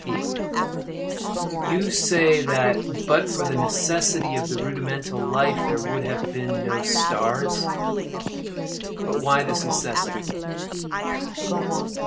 P. You say that "but for the necessity of the rudimental life" there would have been no stars. But why this necessity?